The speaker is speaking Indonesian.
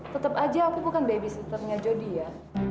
tetap aja aku bukan babysitternya jody ya